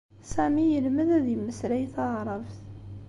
Sami yelmed ad immeslay taɛṛabt..